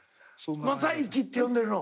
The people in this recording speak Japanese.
「まさいき」って呼んでるの？